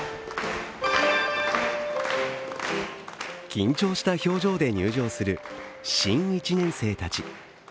緊張した表情で入場する新１年生たち。